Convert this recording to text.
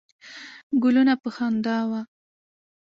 ګلونه په خندا وه.